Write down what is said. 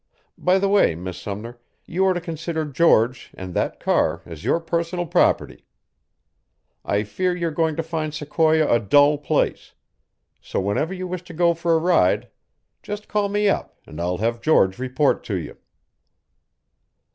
By the way, Miss Sumner, you are to consider George and that car as your personal property. I fear you're going to find Sequoia a dull place; so whenever you wish to go for a ride, just call me up, and I'll have George report to you."